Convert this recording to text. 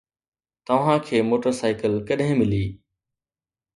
توهان کي موٽرسائيڪل ڪڏهن ملي؟